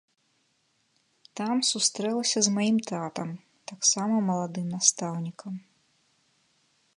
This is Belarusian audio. Там сустрэлася з маім татам, таксама маладым настаўнікам.